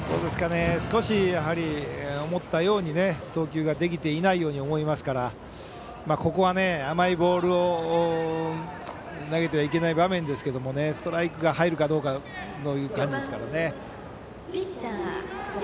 少し、やはり思ったように投球ができていないように思いますからここは、甘いボールを投げてはいけない場面ですけどストライクが入るかどうかですからね。